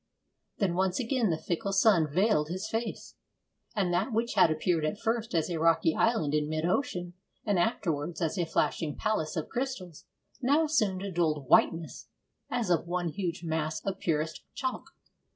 Then once again the fickle sun veiled his face, and that which had appeared at first as a rocky island in mid ocean, and afterwards as a flashing palace of crystals, now assumed a dulled whiteness as of one huge mass of purest chalk.